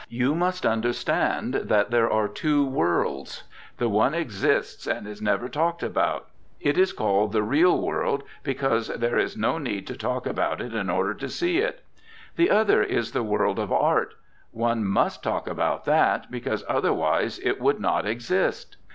You must understand that there are two worlds the one exists and is never talked about; it is called the real world because there is no need to talk about it in order to see it. The other is the world of Art; one must talk about that, because otherwise it would not exist.'